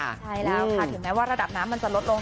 ใช่แล้วค่ะถึงแม้ว่าระดับน้ำมันจะลดลง